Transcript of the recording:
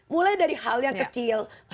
mulai dari hal yang kecil